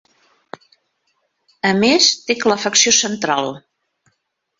A més, té calefacció central.